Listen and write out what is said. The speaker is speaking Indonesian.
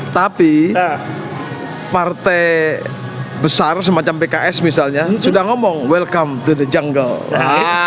tapi partai besar semacam pks misalnya sudah ngomong welcome to the jungle